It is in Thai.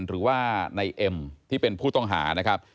หรือว่าในเอ็มที่เป็นผู้ต้องหานะครับ